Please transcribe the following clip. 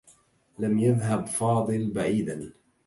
لم يذهب فاضل بعيدا.